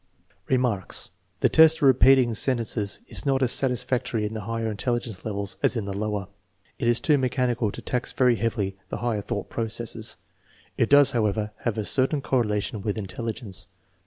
Remarks. The test of repeating sentences is not as satis factory in the higher intelligence levels as in the lower. It is too mechanical to tax very heavily the higher thought processes. It does, however, have a certain correlation with intelligence.